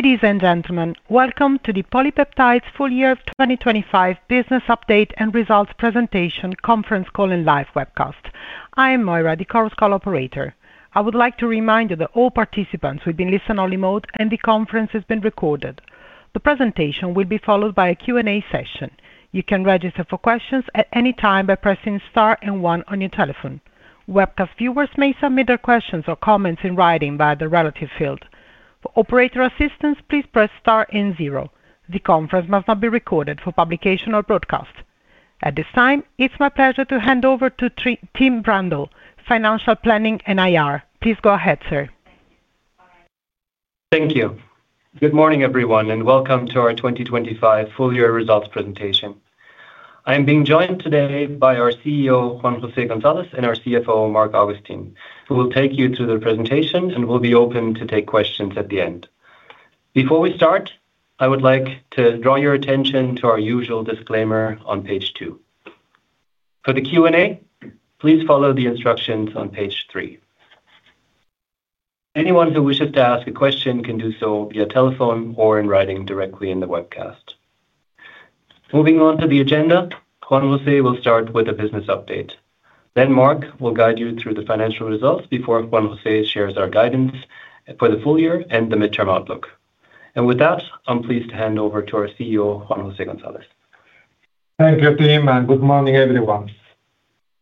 Ladies and gentlemen, welcome to the PolyPeptide full year 2025 business update and results presentation conference call and live webcast. I am Moira, the conference call operator. I would like to remind you that all participants will be in listen only mode, and the conference is being recorded. The presentation will be followed by a Q&A session. You can register for questions at any time by pressing star and one on your telephone. Webcast viewers may submit their questions or comments in writing via the relevant field. For operator assistance, please press star and zero. The conference must not be recorded for publication or broadcast. At this time, it's my pleasure to hand over to Tim Brandl, Financial Planning and IR. Please go ahead, sir. Thank you. Good morning, everyone, and welcome to our 2025 full year results presentation. I am being joined today by our CEO, Juan José Gonzalez, and our CFO, Marc Augustin, who will take you through the presentation and will be open to take questions at the end. Before we start, I would like to draw your attention to our usual disclaimer on page two. For the Q&A, please follow the instructions on page three. Anyone who wishes to ask a question can do so via telephone or in writing directly in the webcast. Moving on to the agenda, Juan José will start with a business update. Then Marc will guide you through the financial results before Juan José shares our guidance for the full year and the midterm outlook. With that, I'm pleased to hand over to our CEO, Juan José Gonzalez. Thank you, Tim, and good morning, everyone.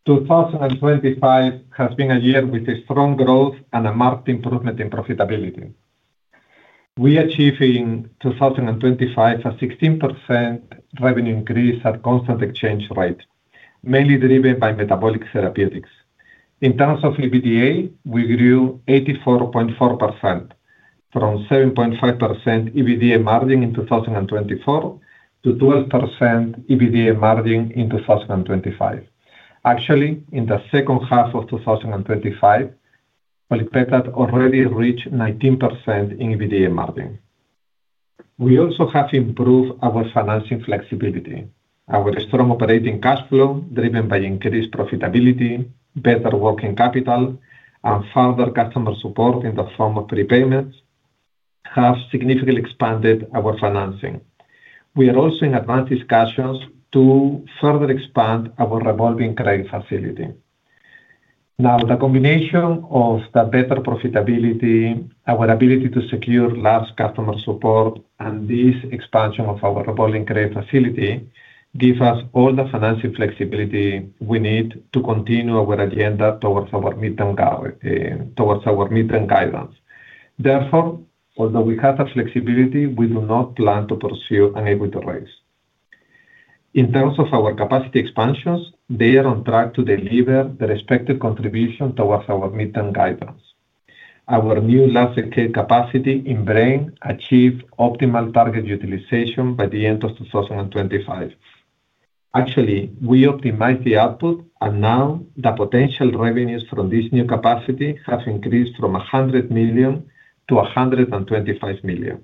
2025 has been a year with a strong growth and a marked improvement in profitability. We achieve in 2025 a 16% revenue increase at constant exchange rate, mainly driven by metabolic therapeutics. In terms of EBITDA, we grew 84.4% from 7.5% EBITDA margin in 2024 to 12% EBITDA margin in 2025. Actually, in the second half of 2025, PolyPeptide already reached 19% in EBITDA margin. We also have improved our financing flexibility. Our strong operating cash flow, driven by increased profitability, better working capital, and further customer support in the form of prepayments, have significantly expanded our financing. We are also in advanced discussions to further expand our revolving credit facility. Now, the combination of the better profitability, our ability to secure large customer support, and this expansion of our revolving credit facility gives us all the financial flexibility we need to continue our agenda towards our midterm guidance. Therefore, although we have the flexibility, we do not plan to pursue an equity raise. In terms of our capacity expansions, they are on track to deliver the respective contribution towards our midterm guidance. Our new large-scale capacity in Braine achieved optimal target utilization by the end of 2025. Actually, we optimized the output, and now the potential revenues from this new capacity have increased from 100 million-125 million.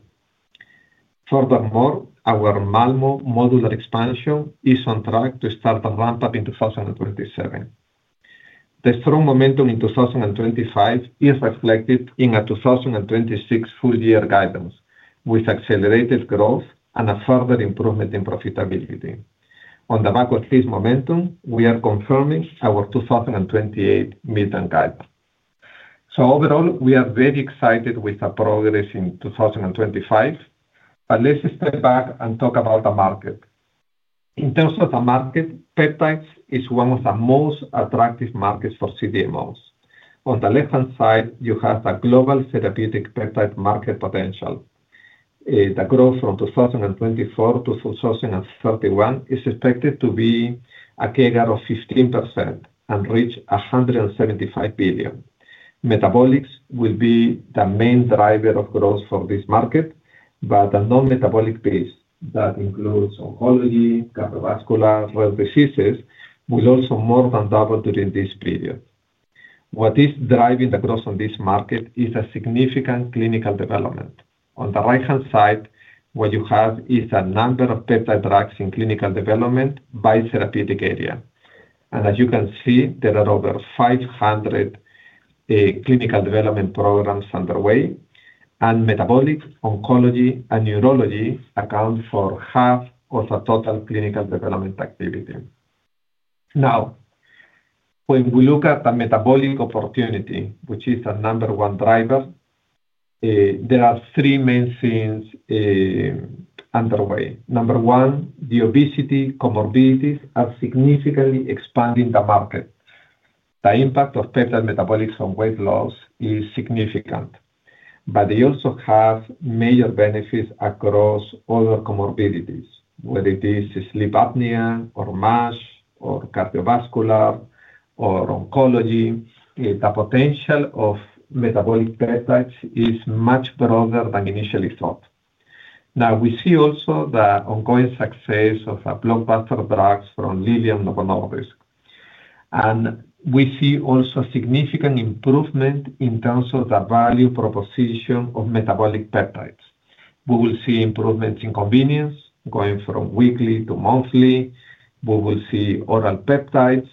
Furthermore, our Malmö modular expansion is on track to start the ramp up in 2027. The strong momentum in 2025 is reflected in our 2026 full year guidance, with accelerated growth and a further improvement in profitability. On the back of this momentum, we are confirming our 2028 midterm guide. Overall, we are very excited with the progress in 2025. Let's step back and talk about the market. In terms of the market, peptides is one of the most attractive markets for CDMOs. On the left-hand side, you have the global therapeutic peptide market potential. The growth from 2024 to 2031 is expected to be a CAGR of 15% and reach 175 billion. Metabolics will be the main driver of growth for this market, but the non-metabolic base that includes oncology, cardiovascular, rare diseases, will also more than double during this period. What is driving the growth on this market is a significant clinical development. On the right-hand side, what you have is the number of peptide drugs in clinical development by therapeutic area. As you can see, there are over 500 clinical development programs underway, and metabolic, oncology, and neurology account for half of the total clinical development activity. Now, when we look at the metabolic opportunity, which is the number one driver, there are three main things underway. Number one, the obesity comorbidities are significantly expanding the market. The impact of peptide metabolics on weight loss is significant, but they also have major benefits across other comorbidities, whether it is sleep apnea or MASH or cardiovascular or oncology. The potential of metabolic peptides is much broader than initially thought. Now, we see also the ongoing success of a blockbuster drugs from Lilly and Novo Nordisk. We see also significant improvement in terms of the value proposition of metabolic peptides. We will see improvements in convenience, going from weekly to monthly. We will see oral peptides.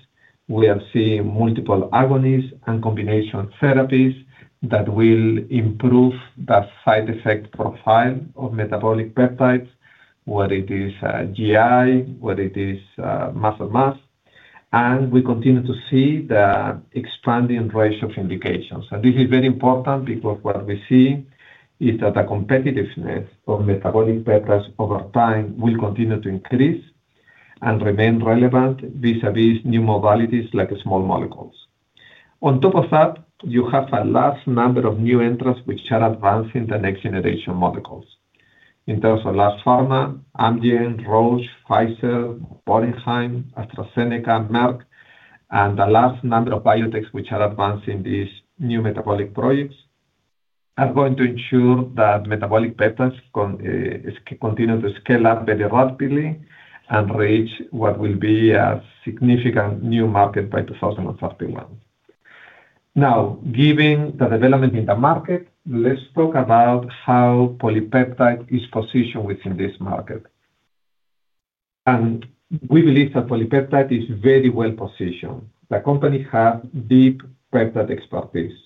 We are seeing multiple agonists and combination therapies that will improve the side effect profile of metabolic peptides, whether it is GI, whether it is muscle mass. We continue to see the expanding range of indications. This is very important because what we see is that the competitiveness of metabolic peptides over time will continue to increase and remain relevant vis-à-vis new modalities like small molecules. On top of that, you have a large number of new entrants which are advancing the next generation molecules. In terms of large pharma, Amgen, Roche, Pfizer, Boehringer, AstraZeneca, Merck, and the large number of biotech which are advancing these new metabolic projects, are going to ensure that metabolic peptides continue to scale up very rapidly and reach what will be a significant new market by 2031. Now, given the development in the market, let's talk about how PolyPeptide is positioned within this market. We believe that PolyPeptide is very well-positioned. The company have deep peptide expertise.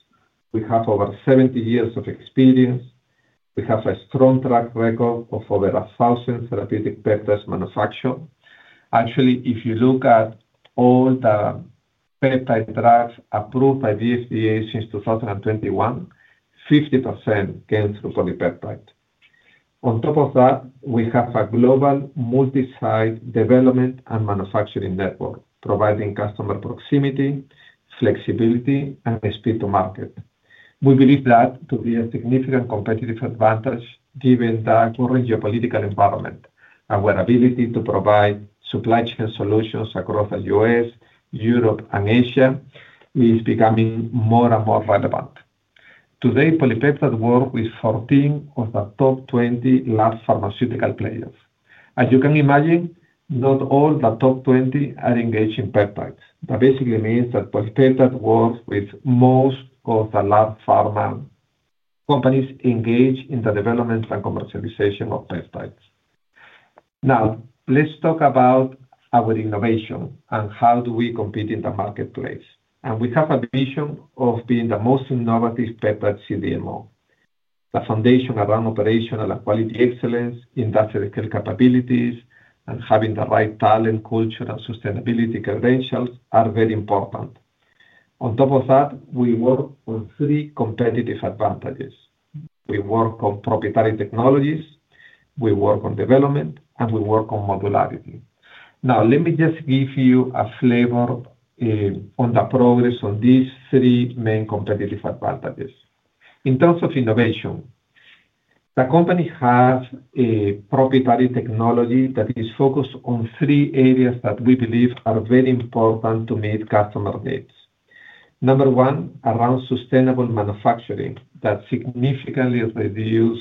We have over 70 years of experience. We have a strong track record of over a thousand therapeutic peptides manufactured. Actually, if you look at all the peptide drugs approved by the FDA since 2021, 50% came through PolyPeptide. On top of that, we have a global multi-site development and manufacturing network providing customer proximity, flexibility, and speed to market. We believe that to be a significant competitive advantage given the current geopolitical environment and our ability to provide supply chain solutions across the U.S., Europe, and Asia is becoming more and more relevant. Today, PolyPeptide works with 14 of the top 20 large pharmaceutical players. As you can imagine, not all the top 20 are engaged in peptides. That basically means that PolyPeptide works with most of the large pharma companies engaged in the development and commercialization of peptides. Now, let's talk about our innovation and how do we compete in the marketplace. We have a vision of being the most innovative peptide CDMO. The foundation around operational and quality excellence, industrial capabilities, and having the right talent, culture, and sustainability credentials are very important. On top of that, we work on three competitive advantages. We work on proprietary technologies, we work on development, and we work on modularity. Now, let me just give you a flavor on the progress on these three main competitive advantages. In terms of innovation, the company has a proprietary technology that is focused on three areas that we believe are very important to meet customer needs. Number one, around sustainable manufacturing that significantly reduce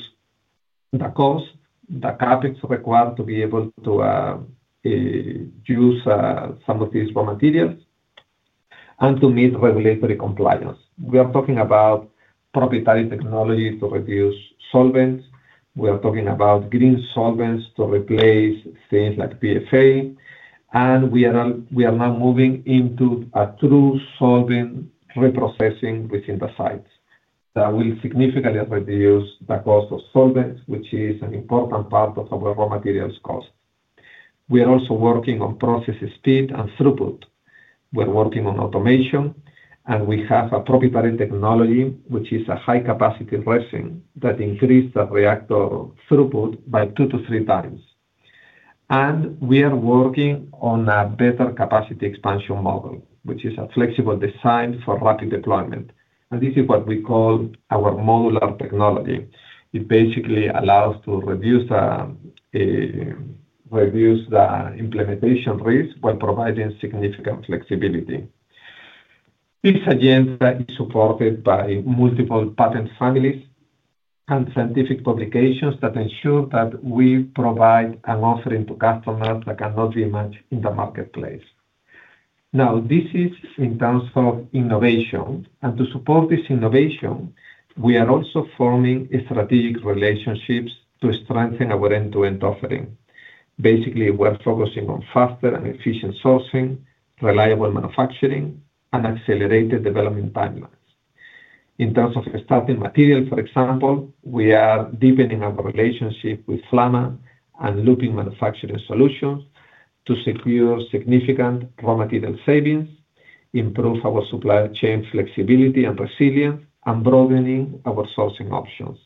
the cost, the CapEx required to be able to use some of these raw materials and to meet regulatory compliance. We are talking about proprietary technology to reduce solvents. We are talking about green solvents to replace things like PFAS. We are now moving into a true solvent reprocessing within the sites that will significantly reduce the cost of solvents, which is an important part of our raw materials cost. We are also working on process speed and throughput. We are working on automation, and we have a proprietary technology, which is a high-capacity resin that increase the reactor throughput by 2-3 times. We are working on a better capacity expansion model, which is a flexible design for rapid deployment. This is what we call our modular technology. It basically allows to reduce the implementation risk while providing significant flexibility. This agenda is supported by multiple patent families and scientific publications that ensure that we provide an offering to customers that cannot be matched in the marketplace. Now, this is in terms of innovation, and to support this innovation, we are also forming strategic relationships to strengthen our end-to-end offering. Basically, we are focusing on faster and efficient sourcing, reliable manufacturing, and accelerated development timelines. In terms of starting material, for example, we are deepening our relationship with Flamma and Lupin Manufacturing Solutions to secure significant raw material savings, improve our supply chain flexibility and resilience, and broadening our sourcing options.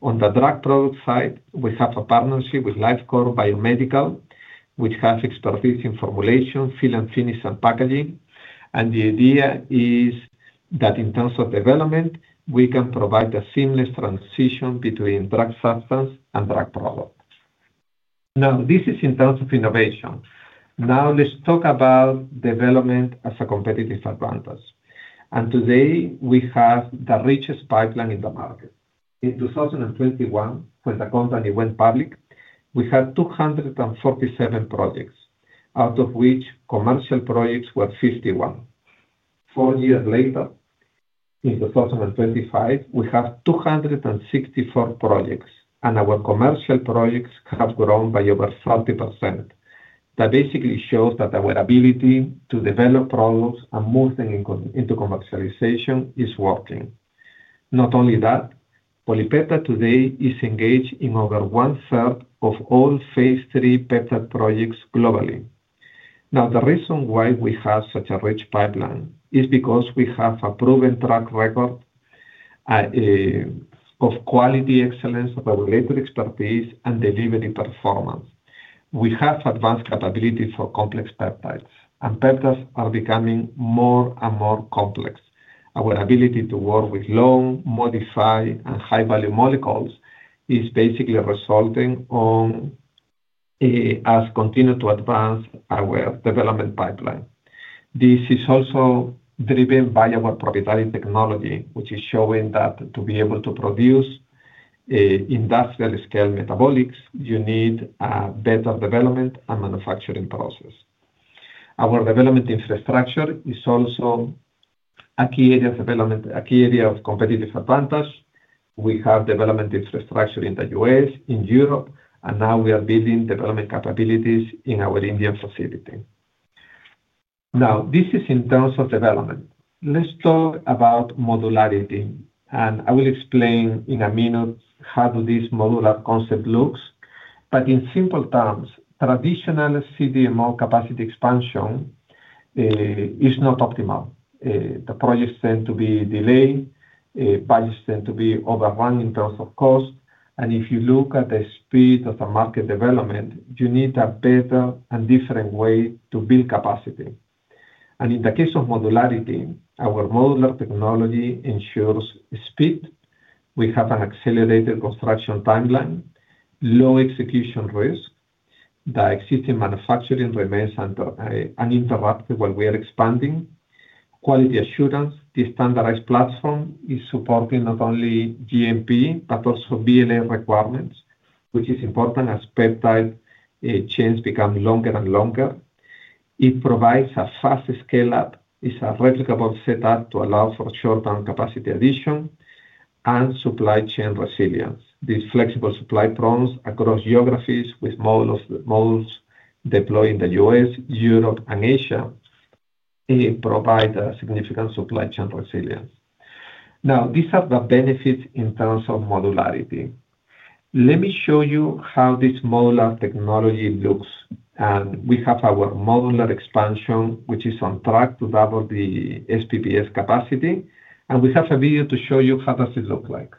On the drug product side, we have a partnership with Lifecore Biomedical, which has expertise in formulation, fill and finish, and packaging. The idea is that in terms of development, we can provide a seamless transition between drug substance and drug product. Now, this is in terms of innovation. Now, let's talk about development as a competitive advantage. Today, we have the richest pipeline in the market. In 2021, when the company went public, we had 247 projects, out of which commercial projects were 51. Four years later, in 2025, we have 264 projects, and our commercial projects have grown by over 30%. That basically shows that our ability to develop products and move them into commercialization is working. Not only that, PolyPeptide today is engaged in over one-third of all phase III peptide projects globally. Now, the reason why we have such a rich pipeline is because we have a proven track record of quality excellence, of our labor expertise and delivery performance. We have advanced capabilities for complex peptides, and peptides are becoming more and more complex. Our ability to work with long, modified, and high-value molecules is basically resulting in, as we continue to advance our development pipeline. This is also driven by our proprietary technology, which is showing that to be able to produce industrial scale metabolics, you need a better development and manufacturing process. Our development infrastructure is also a key area of development, a key area of competitive advantage. We have development infrastructure in the U.S., in Europe, and now we are building development capabilities in our Indian facility. Now, this is in terms of development. Let's talk about modularity, and I will explain in a minute how this modular concept looks. In simple terms, traditional CDMO capacity expansion is not optimal. The projects tend to be delayed, budgets tend to be overrun in terms of cost. If you look at the speed of the market development, you need a better and different way to build capacity. In the case of modularity, our modular technology ensures speed. We have an accelerated construction timeline, low execution risk. The existing manufacturing remains uninterrupted while we are expanding. Quality assurance, the standardized platform is supporting not only GMP, but also BLA requirements, which is important as peptide chains become longer and longer. It provides a fast scale-up, is a replicable setup to allow for short-term capacity addition and supply chain resilience. These flexible supply points across geographies with modules deployed in the U.S., Europe, and Asia, it provide a significant supply chain resilience. Now, these are the benefits in terms of modularity. Let me show you how this modular technology looks. We have our modular expansion, which is on track to double the SPPS capacity, and we have a video to show you how does it look like.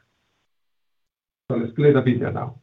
Let's play the video now.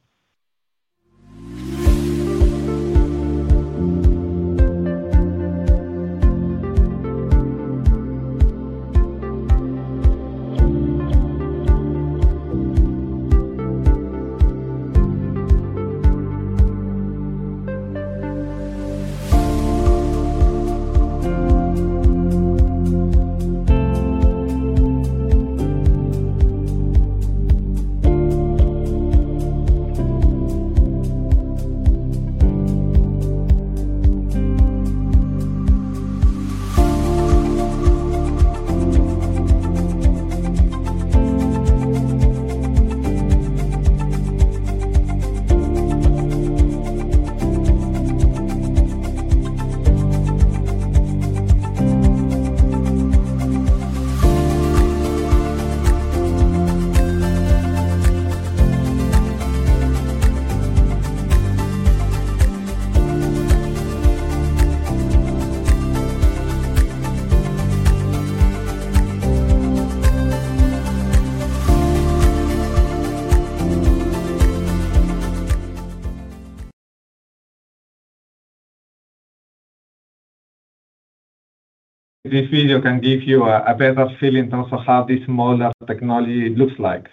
This video can give you a better feel in terms of how this modular technology looks like.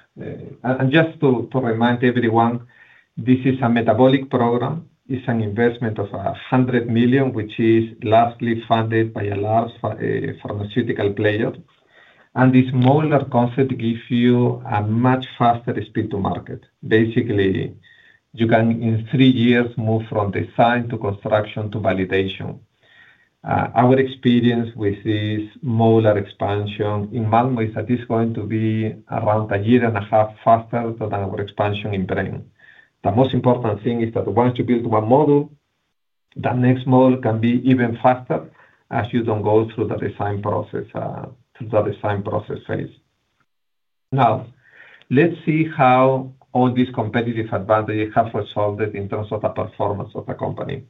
Just to remind everyone, this is a metabolic program. It's an investment of 100 million, which is largely funded by a large pharmaceutical player. This modular concept gives you a much faster speed to market. Basically, you can in three years move from design to construction to validation. Our experience with this modular expansion in Malmö is that it's going to be around a year and a half faster than our expansion in Braine. The most important thing is that once you build one module, the next module can be even faster as you don't go through the design process phase. Now, let's see how all these competitive advantages have resulted in terms of the performance of the company.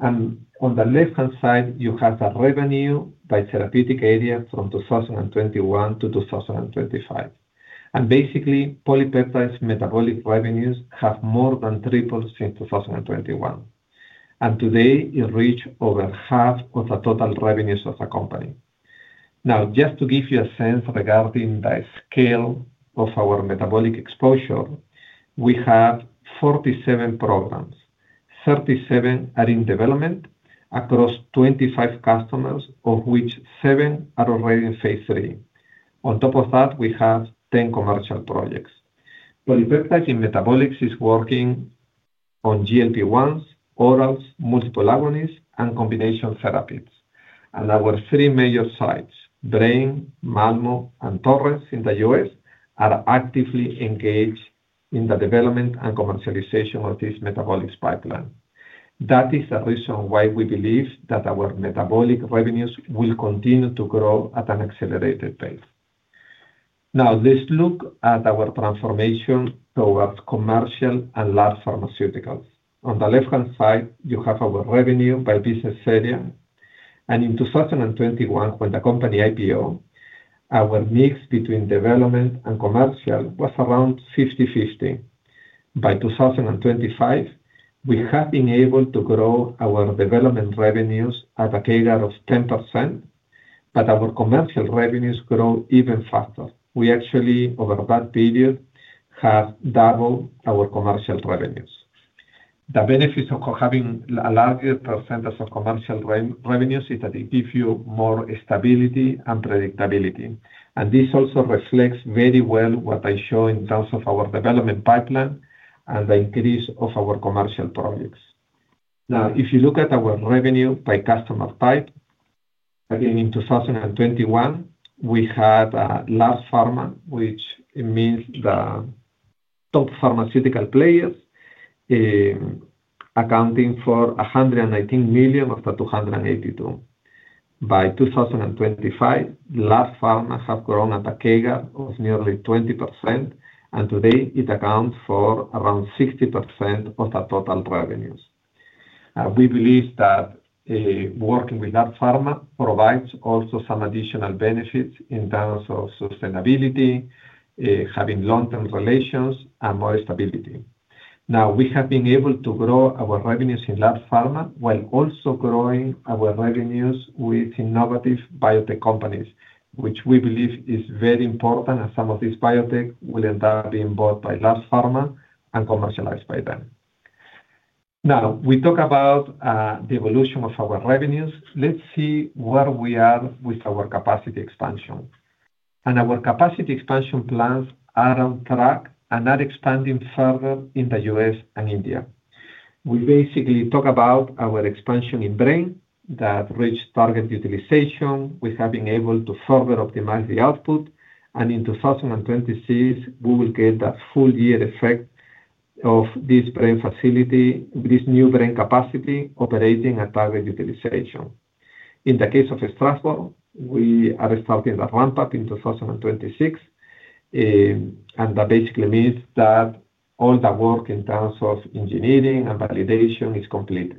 On the left-hand side, you have the revenue by therapeutic area from 2021 to 2025. Basically, PolyPeptide's metabolic revenues have more than tripled since 2021. Today, it reach over half of the total revenues of the company. Now, just to give you a sense regarding the scale of our metabolic exposure, we have 47 programs. 37 are in development across 25 customers, of which seven are already in phase III. On top of that, we have 10 commercial projects. PolyPeptide in metabolics is working on GLP-1s, orals, multiple agonists, and combination therapies. Our three major sites, Braine-l'Alleud, Malmö, and Torrance in the U.S., are actively engaged in the development and commercialization of this metabolics pipeline. That is the reason why we believe that our metabolic revenues will continue to grow at an accelerated pace. Now, let's look at our transformation towards commercial and large pharmaceuticals. On the left-hand side, you have our revenue by business area. In 2021, when the company IPO, our mix between development and commercial was around 50/50. By 2025, we have been able to grow our development revenues at a CAGR of 10%, but our commercial revenues grow even faster. We actually, over that period, have doubled our commercial revenues. The benefits of having a larger percentage of commercial revenues is that it gives you more stability and predictability. This also reflects very well what I show in terms of our development pipeline and the increase of our commercial products. Now, if you look at our revenue by customer type, again, in 2021, we had large pharma, which means the top pharmaceutical players, accounting for 119 million of the 282 million. By 2025, large pharma have grown at a CAGR of nearly 20%, and today it accounts for around 60% of the total revenues. We believe that working with large pharma provides also some additional benefits in terms of sustainability, having long-term relations, and more stability. Now, we have been able to grow our revenues in large pharma while also growing our revenues with innovative biotech companies, which we believe is very important as some of these biotech will end up being bought by large pharma and commercialized by them. Now, we talk about the evolution of our revenues. Let's see where we are with our capacity expansion. Our capacity expansion plans are on track and are expanding further in the U.S. and India. We basically talk about our expansion in Braine-l'Alleud that reached target utilization. We have been able to further optimize the output. In 2026, we will get the full year effect of this Braine-l'Alleud facility, this new Braine-l'Alleud capacity operating at target utilization. In the case of Strasbourg, we are starting the ramp-up in 2026. That basically means that all the work in terms of engineering and validation is complete.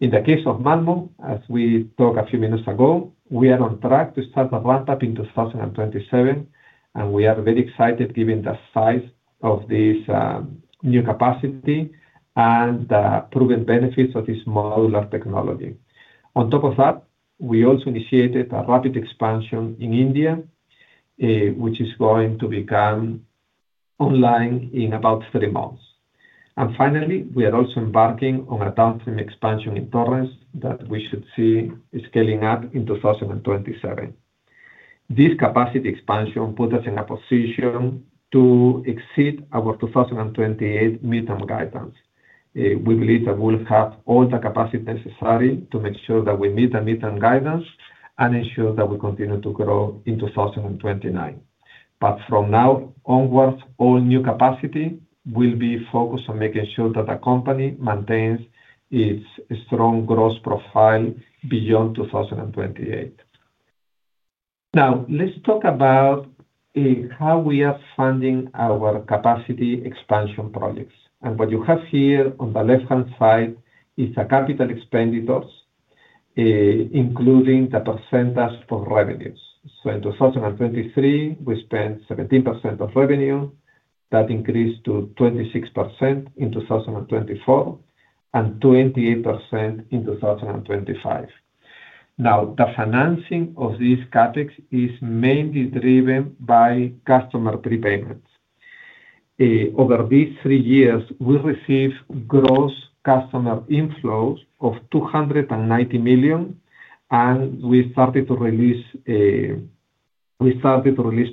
In the case of Malmö, as we talked a few minutes ago, we are on track to start the ramp-up in 2027, and we are very excited given the size of this, new capacity and the proven benefits of this modular technology. On top of that, we also initiated a rapid expansion in India, which is going to come online in about three months. Finally, we are also embarking on a downstream expansion in Torrance that we should see scaling up in 2027. This capacity expansion put us in a position to exceed our 2028 midterm guidance. We believe that we'll have all the capacity necessary to make sure that we meet the midterm guidance and ensure that we continue to grow in 2029. From now onwards, all new capacity will be focused on making sure that the company maintains its strong growth profile beyond 2028. Now, let's talk about how we are funding our capacity expansion projects. What you have here on the left-hand side is the capital expenditures, including the percentage of revenues. In 2023, we spent 17% of revenue. That increased to 26% in 2024, and 28% in 2025. Now, the financing of these CapEx is mainly driven by customer prepayments. Over these three years, we received gross customer inflows of 290 million, and we started to release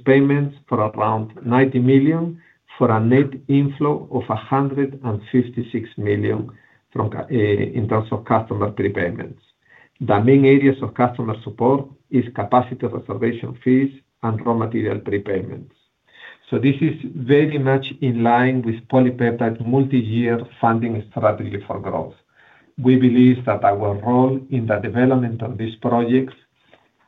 payments for around 90 million for a net inflow of 156 million in terms of customer prepayments. The main areas of customer support is capacity reservation fees and raw material prepayments. This is very much in line with PolyPeptide's multi-year funding strategy for growth. We believe that our role in the development of these projects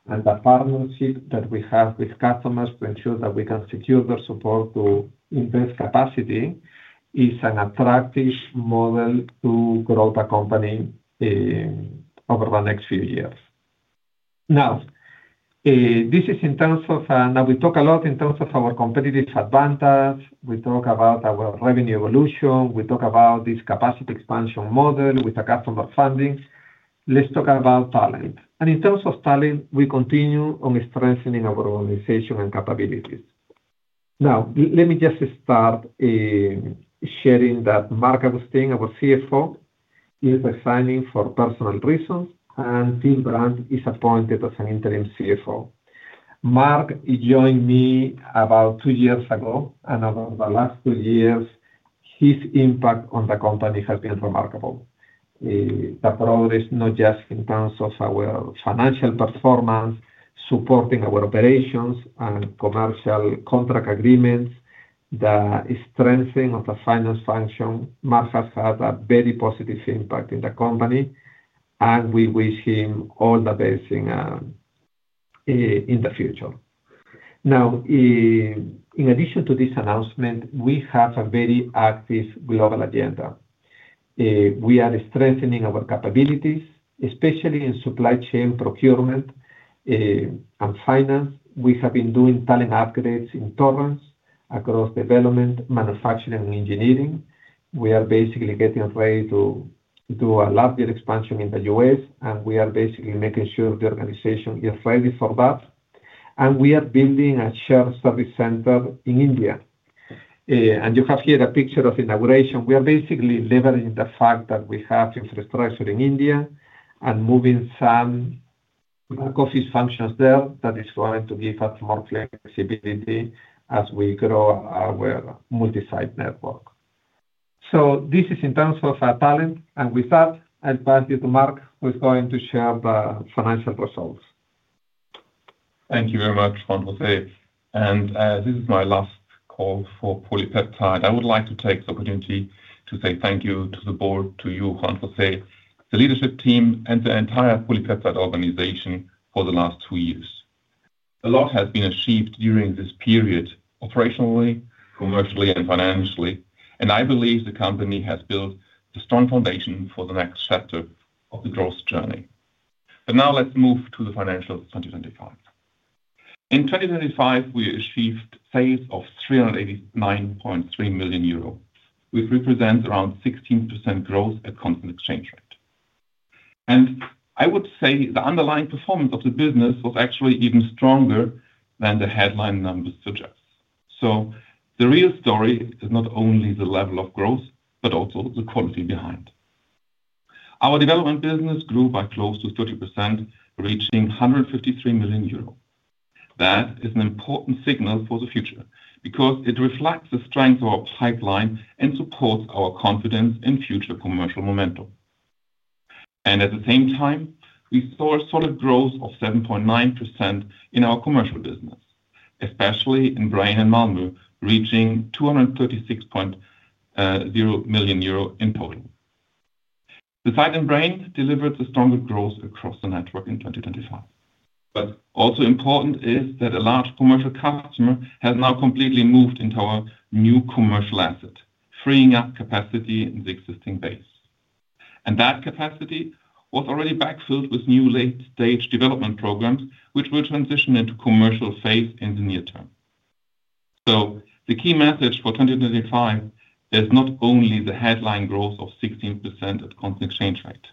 and the partnership that we have with customers to ensure that we can secure their support to invest capacity is an attractive model to grow the company over the next few years. Now, this is in terms of. Now, we talk a lot in terms of our competitive advantage. We talk about our revenue evolution. We talk about this capacity expansion model with the customer funding. Let's talk about talent. In terms of talent, we continue on strengthening our organization and capabilities. Now, let me just start sharing that Marc Augustin, our CFO, is resigning for personal reasons, and Tim Brand is appointed as an interim CFO. Marc joined me about two years ago, and over the last two years, his impact on the company has been remarkable. The progress, not just in terms of our financial performance, supporting our operations and commercial contract agreements, the strengthening of the finance function. Marc has had a very positive impact in the company, and we wish him all the best in the future. Now, in addition to this announcement, we have a very active global agenda. We are strengthening our capabilities, especially in supply chain procurement, and finance. We have been doing talent upgrades in Torrance across development, manufacturing, and engineering. We are basically getting ready to do a larger expansion in the U.S., and we are basically making sure the organization is ready for that. We are building a shared service center in India. You have here the picture of inauguration. We are basically leveraging the fact that we have infrastructure in India and moving some back-office functions there that is going to give us more flexibility as we grow our multi-site network. This is in terms of our talent. With that, I'll pass you to Marc, who's going to share the financial results. Thank you very much, Juan José. This is my last call for PolyPeptide. I would like to take the opportunity to say thank you to the board, to you, Juan José, the leadership team, and the entire PolyPeptide organization for the last two years. A lot has been achieved during this period, operationally, commercially and financially, and I believe the company has built a strong foundation for the next chapter of the growth journey. Now let's move to the financials of 2025. In 2025, we achieved sales of 389.3 million euro, which represents around 16% growth at constant exchange rate. I would say the underlying performance of the business was actually even stronger than the headline numbers suggest. The real story is not only the level of growth, but also the quality behind. Our development business grew by close to 30%, reaching 153 million euros. That is an important signal for the future because it reflects the strength of our pipeline and supports our confidence in future commercial momentum. At the same time, we saw a solid growth of 7.9% in our commercial business, especially in Braine-l'Alleud and Malmö, reaching 236.0 million euro in total. The site in Braine-l'Alleud delivered the strongest growth across the network in 2025. Also important is that a large commercial customer has now completely moved into our new commercial asset, freeing up capacity in the existing base. That capacity was already backfilled with new late-stage development programs, which will transition into commercial phase in the near term. The key message for 2025 is not only the headline growth of 16% at constant exchange rate.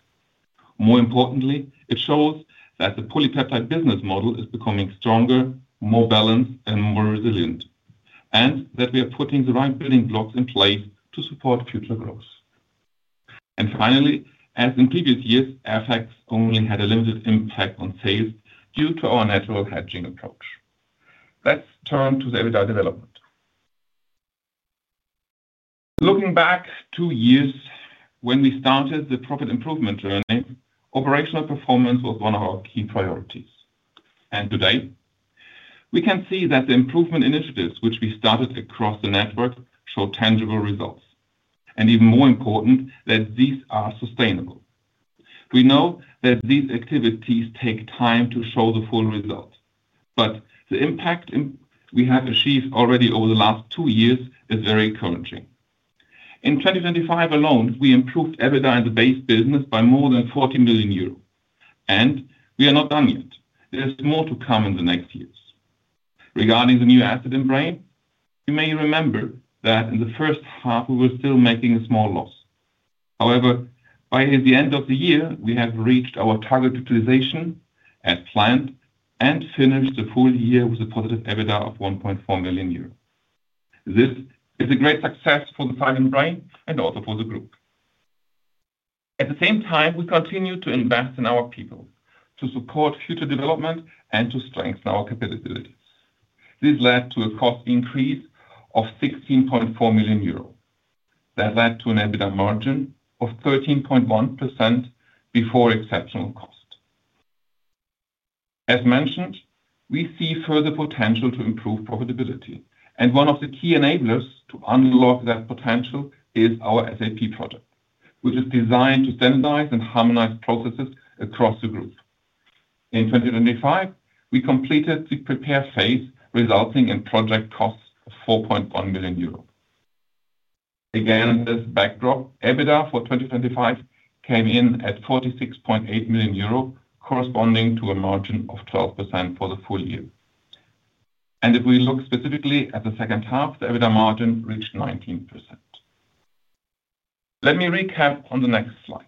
More importantly, it shows that the Peptide business model is becoming stronger, more balanced and more resilient, and that we are putting the right building blocks in place to support future growth. Finally, as in previous years, FX only had a limited impact on sales due to our natural hedging approach. Let's turn to the EBITDA development. Looking back two years when we started the profit improvement journey, operational performance was one of our key priorities. Today we can see that the improvement initiatives which we started across the network show tangible results, and even more important, that these are sustainable. We know that these activities take time to show the full result, but the impact we have achieved already over the last two years is very encouraging. In 2025 alone, we improved EBITDA in the base business by more than 40 million euros, and we are not done yet. There's more to come in the next years. Regarding the new asset in Braine-l'Alleud, you may remember that in the first half we were still making a small loss. However, by the end of the year, we have reached our target utilization as planned and finished the full year with a positive EBITDA of 1.4 million euros. This is a great success for the site in Braine-l'Alleud and also for the group. At the same time, we continue to invest in our people to support future development and to strengthen our capabilities. This led to a cost increase of 16.4 million euros. That led to an EBITDA margin of 13.1% before exceptional cost. As mentioned, we see further potential to improve profitability, and one of the key enablers to unlock that potential is our SAP project, which is designed to standardize and harmonize processes across the group. In 2025, we completed the prepare phase, resulting in project costs of 4.1 million euros. Against this backdrop, EBITDA for 2025 came in at 46.8 million euro, corresponding to a margin of 12% for the full year. If we look specifically at the second half, the EBITDA margin reached 19%. Let me recap on the next slide.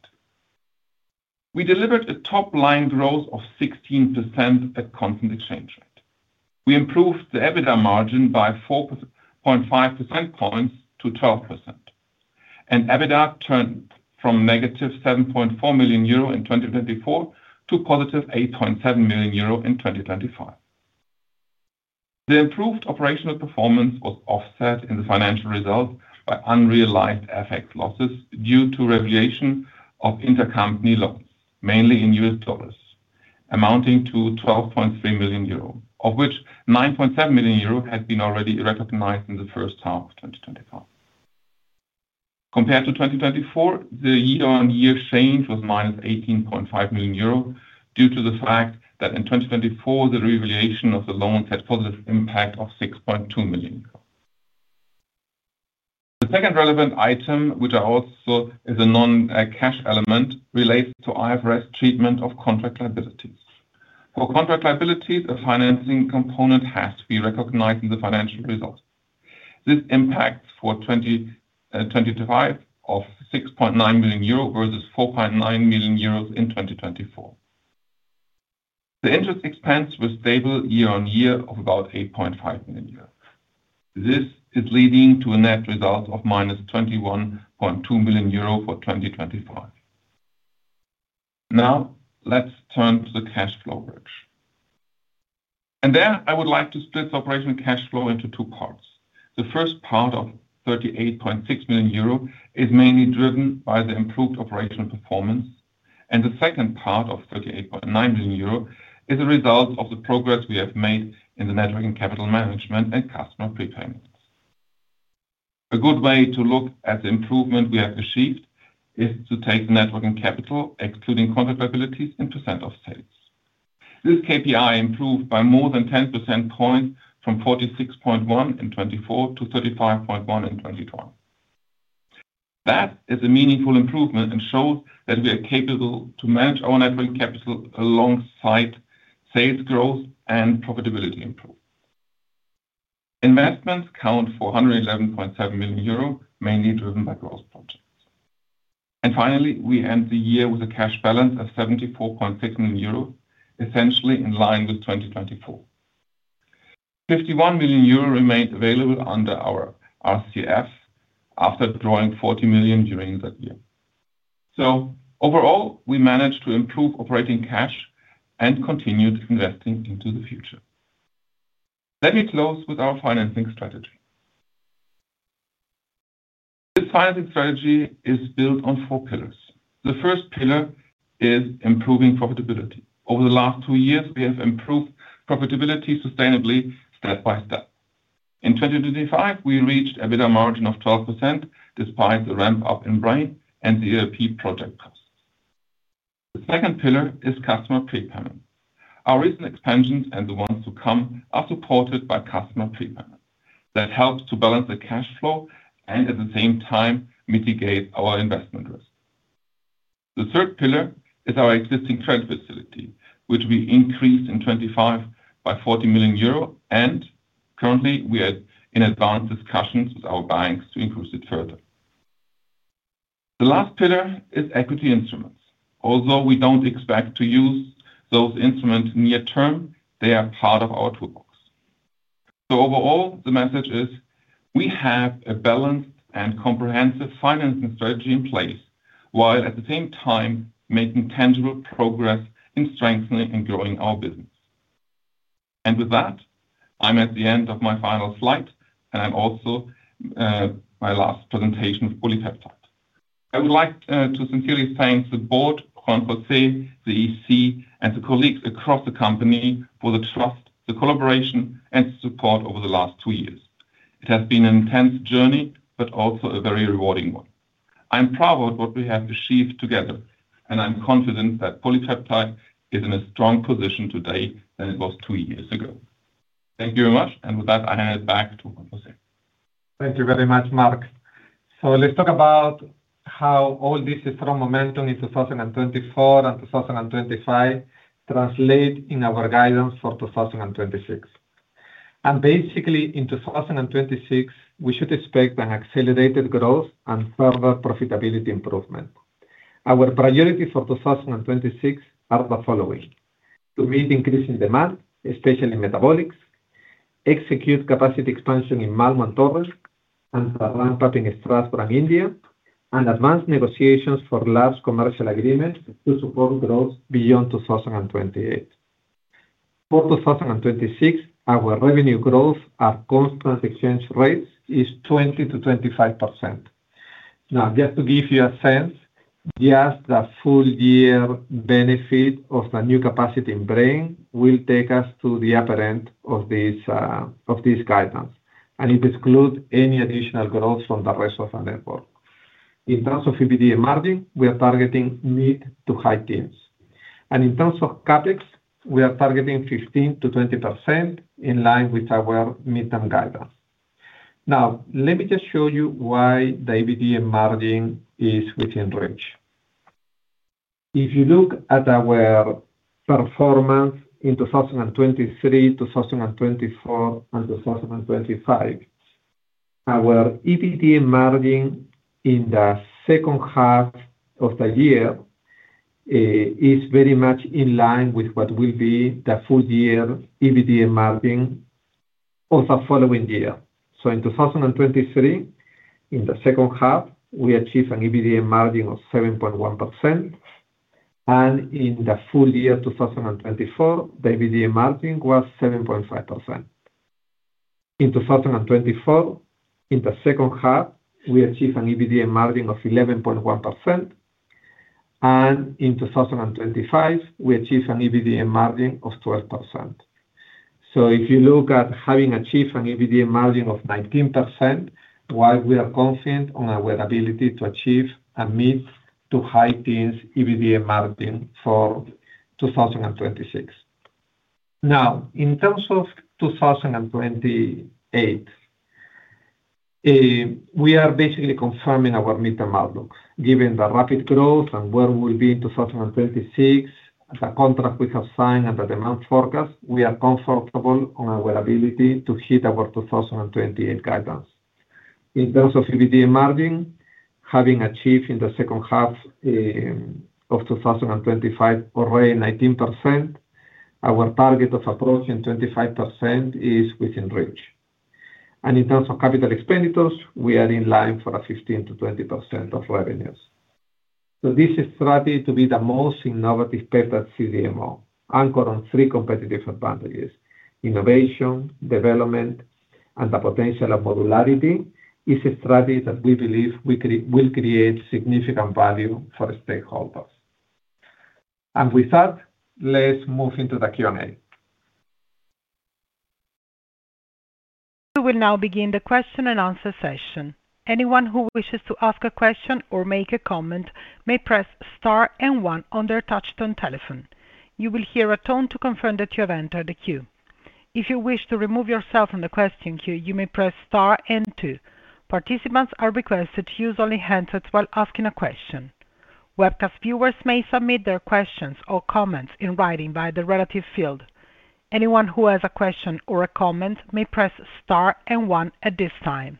We delivered a top-line growth of 16% at constant exchange rate. We improved the EBITDA margin by 4.5 percentage points to 12%. EBITDA turned from negative 7.4 million euro in 2024 to positive 8.7 million euro in 2025. The improved operational performance was offset in the financial results by unrealized FX losses due to revaluation of intercompany loans, mainly in U.S. dollars, amounting to 12.3 million euro, of which 9.7 million euro had been already recognized in the first half of 2025. Compared to 2024, the year-on-year change was minus 18.5 million euro due to the fact that in 2024, the revaluation of the loans had positive impact of 6.2 million. The second relevant item, which also is a non-cash element, relates to IFRS treatment of contract liabilities. For contract liabilities, a financing component has to be recognized in the financial results. This impacts for 2025 of 6.9 million euro versus 4.9 million euros in 2024. The interest expense was stable year-on-year of about 8.5 million euros. This is leading to a net result of -21.2 million euro for 2025. Now, let's turn to the cash flow bridge. There I would like to split operational cash flow into two parts. The first part of 38.6 million euro is mainly driven by the improved operational performance, and the second part of 38.9 million euro is a result of the progress we have made in the net working capital management and customer prepayments. A good way to look at the improvement we have achieved is to take the net working capital, excluding contract liabilities in percent of sales. This KPI improved by more than 10 percentage points from 46.1% in 2024 to 35.1% in 2025. That is a meaningful improvement and shows that we are capable to manage our net working capital alongside sales growth and profitability improvement. Investments account for 111.7 million euro, mainly driven by growth projects. Finally, we end the year with a cash balance of 74.6 million euro, essentially in line with 2024. 51 million euro remained available under our RCF after drawing 40 million during that year. Overall, we managed to improve operating cash and continued investing into the future. Let me close with our financing strategy. This financing strategy is built on four pillars. The first pillar is improving profitability. Over the last two years, we have improved profitability sustainably step by step. In 2025, we reached a EBITDA margin of 12% despite the ramp-up in Braine-l'Alleud and the ERP project costs. The second pillar is customer prepayment. Our recent expansions and the ones to come are supported by customer prepayment. That helps to balance the cash flow and at the same time mitigate our investment risk. The third pillar is our existing credit facility, which we increased in 2025 by 40 million euro, and currently we are in advanced discussions with our banks to increase it further. The last pillar is equity instruments. Although we don't expect to use those instruments near term, they are part of our toolbox. Overall, the message is we have a balanced and comprehensive financing strategy in place, while at the same time making tangible progress in strengthening and growing our business. With that, I'm at the end of my final slide, and I'm also my last presentation with PolyPeptide. I would like to sincerely thank the board, Juan José, the EC, and the colleagues across the company for the trust, the collaboration, and support over the last two years. It has been an intense journey, but also a very rewarding one. I'm proud what we have achieved together, and I'm confident that PolyPeptide is in a strong position today than it was two years ago. Thank you very much, and with that, I hand it back to Juan José. Thank you very much, Marc. Let's talk about how all this strong momentum in 2024 and 2025 translate in our guidance for 2026. Basically, in 2026, we should expect an accelerated growth and further profitability improvement. Our priorities for 2026 are the following. To meet increasing demand, especially in metabolics, execute capacity expansion in Malmö and Torrance, and the ramp-up in Strasbourg and India, and advance negotiations for large commercial agreements to support growth beyond 2028. For 2026, our revenue growth at constant exchange rates is 20%-25%. Now, just to give you a sense, just the full year benefit of the new capacity in Braine-l'Alleud will take us to the upper end of this, of this guidance, and it excludes any additional growth from the rest of our network. In terms of EBITDA margin, we are targeting mid to high teens. In terms of CapEx, we are targeting 15%-20% in line with our midterm guidance. Now, let me just show you why the EBITDA margin is within reach. If you look at our performance in 2023, 2024, and 2025, our EBITDA margin in the second half of the year is very much in line with what will be the full year EBITDA margin of the following year. In 2023, in the second half, we achieved an EBITDA margin of 7.1%. In the full year of 2024, the EBITDA margin was 7.5%. In 2024, in the second half, we achieved an EBITDA margin of 11.1%. In 2025, we achieved an EBITDA margin of 12%. If you look at having achieved an EBITDA margin of 19%, why we are confident on our ability to achieve and meet to high teens EBITDA margin for 2026. Now, in terms of 2028, we are basically confirming our midterm outlook. Given the rapid growth and where we'll be in 2026, the contract we have signed and the demand forecast, we are comfortable on our ability to hit our 2028 guidance. In terms of EBITDA margin, having achieved in the second half of 2025 already 19%, our target of approaching 25% is within reach. In terms of capital expenditures, we are in line for a 16%-20% of revenues. This is strategy to be the most innovative peptide CDMO, anchored on three competitive advantages, innovation, development, and the potential of modularity is a strategy that we believe we will create significant value for the stakeholders. With that, let's move into the Q&A. We will now begin the question and answer session. Anyone who wishes to ask a question or make a comment may press star and one on their touch tone telephone. You will hear a tone to confirm that you have entered the queue. If you wish to remove yourself from the question queue, you may press star and two. Participants are requested to use only handsets while asking a question. Webcast viewers may submit their questions or comments in writing via the relevant field. Anyone who has a question or a comment may press star and one at this time.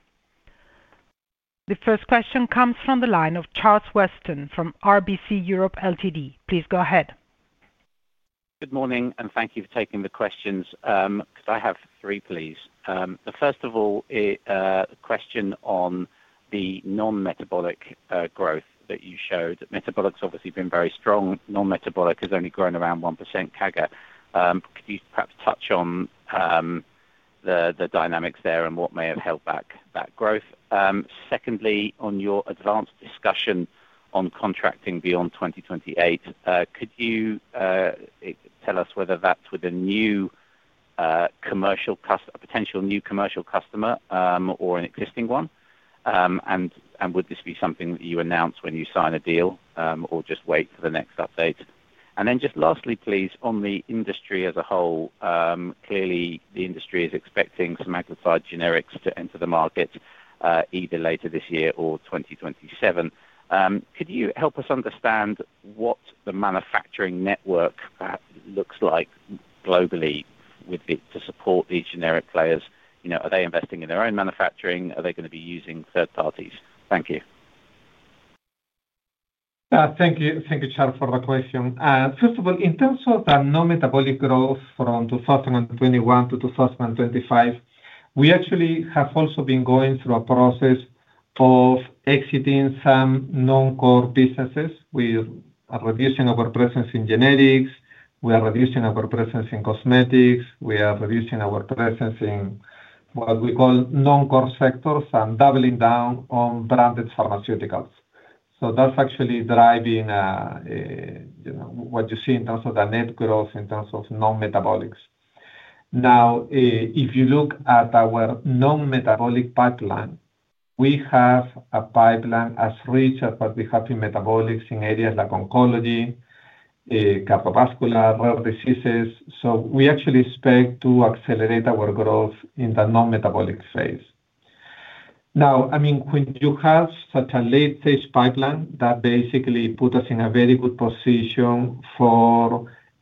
The first question comes from the line of Charles Weston from RBC Europe Ltd. Please go ahead. Good morning, and thank you for taking the questions, 'cause I have three, please. First of all, a question on the non-metabolics growth that you showed. Metabolics obviously been very strong. Non-metabolics has only grown around 1% CAGR. Could you perhaps touch on the dynamics there and what may have held back that growth? Secondly, on your advance discussion on contracting beyond 2028, could you tell us whether that's with a potential new commercial customer or an existing one? And would this be something that you announce when you sign a deal, or just wait for the next update? On the industry as a whole, clearly the industry is expecting some obesity generics to enter the market, either later this year or 2027. Could you help us understand what the manufacturing network perhaps looks like globally to support these generic players? You know, are they investing in their own manufacturing? Are they gonna be using third parties? Thank you. Thank you. Thank you, Charles, for the question. First of all, in terms of the non-metabolic growth from 2021 to 2025, we actually have also been going through a process of exiting some non-core businesses. We are reducing our presence in generics, we are reducing our presence in cosmetics, we are reducing our presence in what we call non-core sectors and doubling down on branded pharmaceuticals. That's actually driving, you know, what you see in terms of the net growth in terms of non-metabolics. Now, if you look at our non-metabolic pipeline, we have a pipeline as rich as what we have in metabolics in areas like oncology, cardiovascular, rare diseases. We actually expect to accelerate our growth in the non-metabolic space. Now, I mean, when you have such a late-stage pipeline, that basically put us in a very good position for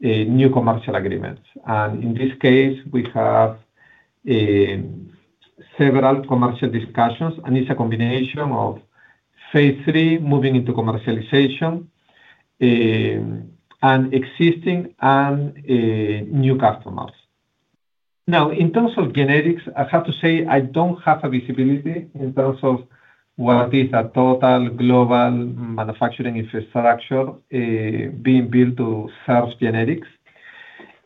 new commercial agreements. In this case, we have several commercial discussions, and it's a combination of phase III moving into commercialization, and existing and new customers. Now, in terms of generics, I have to say I don't have a visibility in terms of what is a total global manufacturing infrastructure being built to serve generics.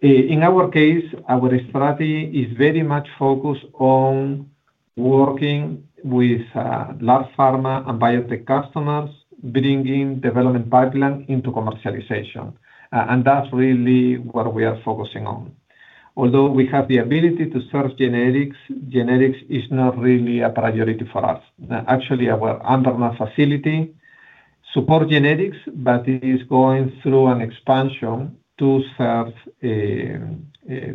In our case, our strategy is very much focused on working with large pharma and biotech customers, bringing development pipeline into commercialization. That's really what we are focusing on. Although we have the ability to serve generics is not really a priority for us. Actually, our Ambernath facility support generics, but it is going through an expansion to serve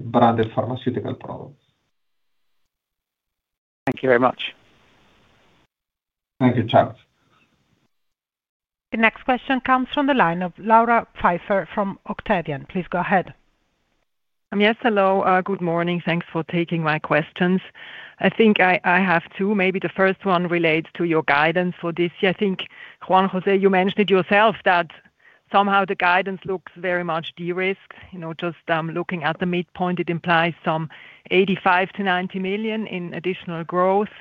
branded pharmaceutical products. Thank you very much. Thank you, Charles. The next question comes from the line of Laura Pfeiffer from Octavian. Please go ahead. Yes, hello. Good morning. Thanks for taking my questions. I think I have two. Maybe the first one relates to your guidance for this year. I think, Juan José, you mentioned it yourself that somehow the guidance looks very much de-risked. You know, just looking at the midpoint, it implies some 85 million-90 million in additional growth.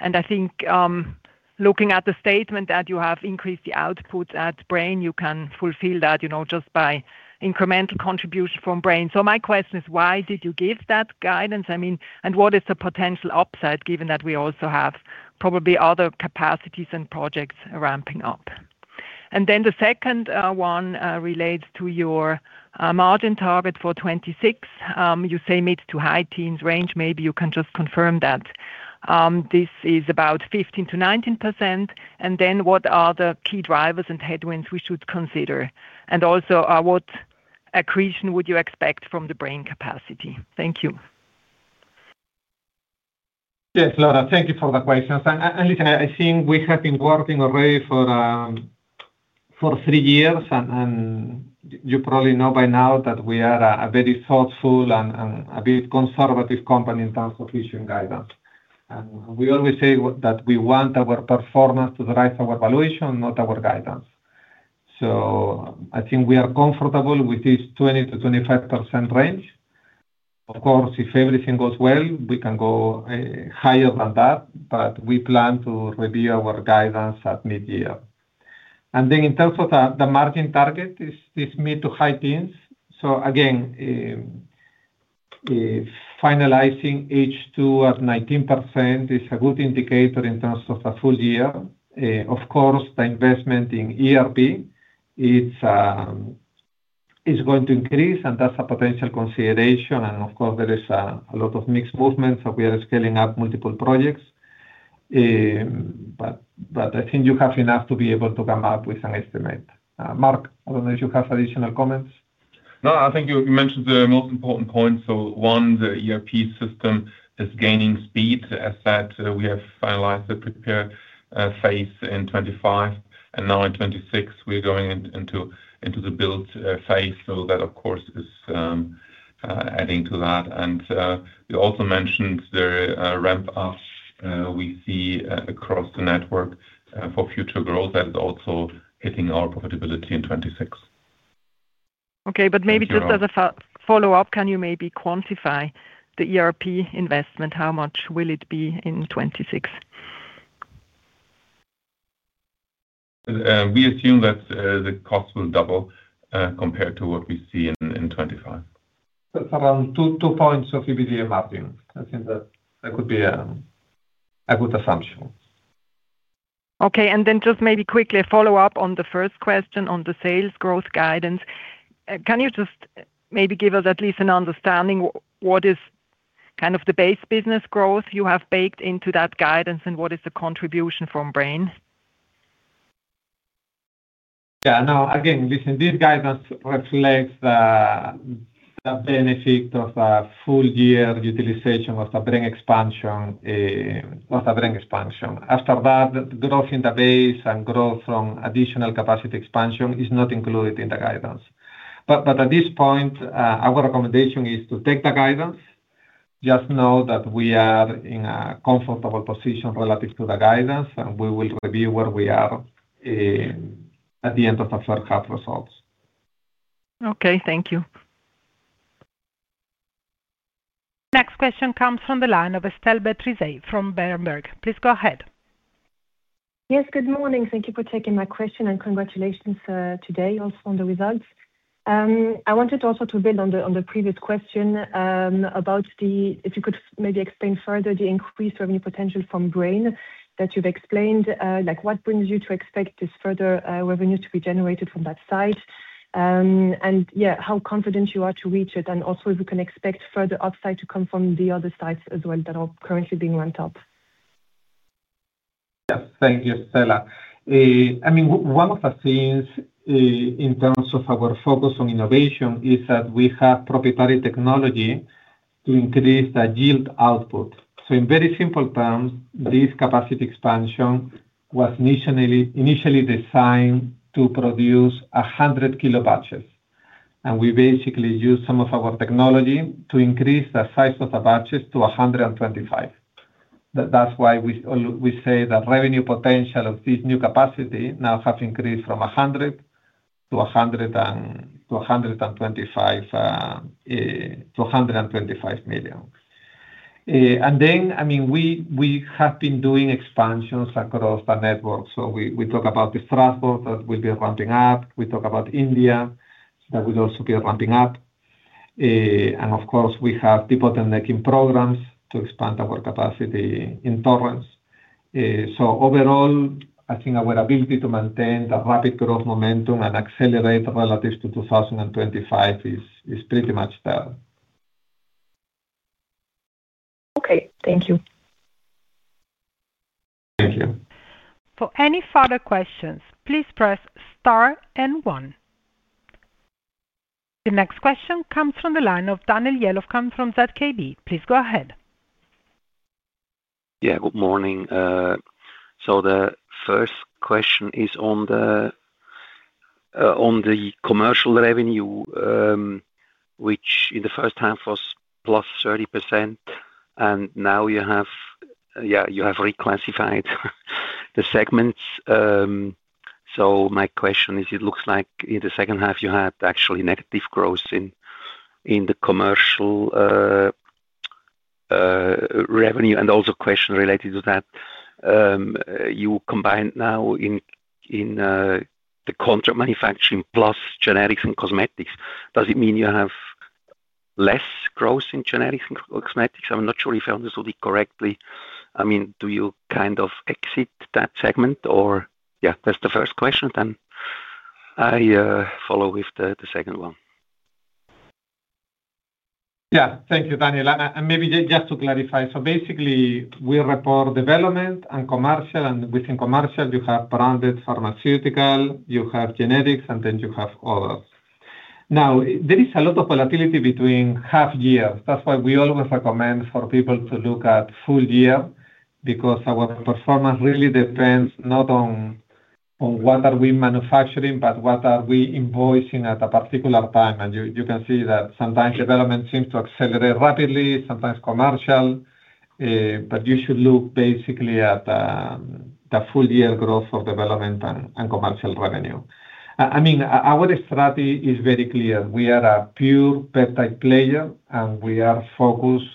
I think, looking at the statement that you have increased the output at Braine-l'Alleud, you can fulfill that, you know, just by incremental contribution from Braine-l'Alleud. My question is, why did you give that guidance? I mean, what is the potential upside given that we also have probably other capacities and projects ramping up? Then the second one relates to your margin target for 2026. You say mid- to high-teens range. Maybe you can just confirm that, this is about 15%-19%. Then what are the key drivers and headwinds we should consider? Also, what accretion would you expect from the Braine-l'Alleud capacity? Thank you. Yes, Laura. Thank you for the questions. Listen, I think we have been working already for three years. You probably know by now that we are a very thoughtful and a bit conservative company in terms of issuing guidance. We always say that we want our performance to drive our valuation, not our guidance. I think we are comfortable with this 20%-25% range. Of course, if everything goes well, we can go higher than that, but we plan to review our guidance at mid-year. Then in terms of the margin target, it's mid- to high-teens. Again, finalizing H2 at 19% is a good indicator in terms of a full year. Of course, the investment in ERP, it's going to increase and that's a potential consideration. Of course, there is a lot of mixed movements, so we are scaling up multiple projects. I think you have enough to be able to come up with an estimate. Marc, I don't know if you have additional comments. No, I think you mentioned the most important points. One, the ERP system is gaining speed. As said, we have finalized the prepare phase in 2025, and now in 2026 we're going into the build phase. That of course is adding to that. You also mentioned the ramp-ups we see across the network for future growth. That is also hitting our profitability in 2026. Okay. Maybe just as a follow-up, can you maybe quantify the ERP investment? How much will it be in 2026? We assume that the cost will double compared to what we see in 2025. That's around two points of EBITDA margin. I think that could be a good assumption. Just maybe quickly follow up on the first question on the sales growth guidance. Can you just maybe give us at least an understanding what is kind of the base business growth you have baked into that guidance, and what is the contribution from Braine-l'Alleud? Yeah. No, again, listen, this guidance reflects the benefit of a full year utilization of the Braine-l'Alleud expansion. After that, growth in the base and growth from additional capacity expansion is not included in the guidance. At this point, our recommendation is to take the guidance, just know that we are in a comfortable position relative to the guidance, and we will review where we are at the end of the first half results. Okay, thank you. Next question comes from the line of Estelle Bétrisey from Berenberg. Please go ahead. Yes, good morning. Thank you for taking my question and congratulations today also on the results. I wanted also to build on the previous question. If you could maybe explain further the increased revenue potential from Braine-l'Alleud that you've explained. Like what brings you to expect this further revenue to be generated from that side? Yeah, how confident you are to reach it and also if we can expect further upside to come from the other sides as well that are currently being ramped up. Yes, thank you, Estelle. I mean, one of the things in terms of our focus on innovation is that we have proprietary technology to increase the yield output. In very simple terms, this capacity expansion was initially designed to produce 100 kilo batches. We basically use some of our technology to increase the size of the batches to 125. That's why we say the revenue potential of this new capacity now have increased from 100 million-125 million. I mean, we have been doing expansions across the network. We talk about the Strasbourg that will be ramping up. We talk about India, that will also be ramping up. Of course, we have people making programs to expand our capacity in Torrance. Overall, I think our ability to maintain the rapid growth momentum and accelerate relative to 2025 is pretty much there. Okay. Thank you. Thank you. For any further questions, please press star and one. The next question comes from the line of Daniel Jelovcan from ZKB. Please go ahead. Yeah, good morning. So the first question is on the commercial revenue, which in the first half was +30%, and now you have reclassified the segments. So my question is, it looks like in the second half you had actually negative growth in the commercial revenue. And also question related to that, you combine now in the contract manufacturing plus generics and cosmetics. Does it mean you have less growth in generics and cosmetics? I'm not sure if I understood it correctly. I mean, do you kind of exit that segment? Yeah, that's the first question then I follow with the second one. Yeah. Thank you, Daniel. Maybe just to clarify. Basically we report development and commercial, and within commercial you have branded pharmaceutical, you have generics, and then you have others. Now there is a lot of volatility between half year. That's why we always recommend for people to look at full year, because our performance really depends not on what are we manufacturing, but what are we invoicing at a particular time. You can see that sometimes development seems to accelerate rapidly, sometimes commercial. But you should look basically at the full year growth of development and commercial revenue. I mean our strategy is very clear. We are a pure peptide player and we are focused